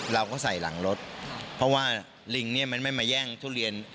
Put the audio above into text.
เราก็ใส่หลังรถเพราะว่าลิงเนี่ยมันไม่มาแย่งทุเรียน